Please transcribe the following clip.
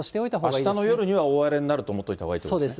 あしたの夜には大荒れになると思っておいたほうがいいというそうです。